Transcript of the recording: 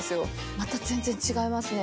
また全然違いますね。